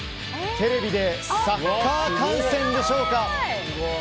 テレビでサッカー観戦でしょうか。